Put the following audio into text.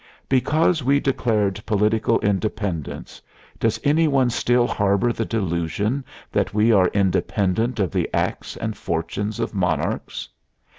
Because we declared political independence, does any one still harbor the delusion that we are independent of the acts and fortunes of monarchs?